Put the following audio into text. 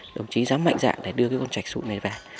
đồng chí dám mạnh dạng để đưa cái con chạch sụ này vào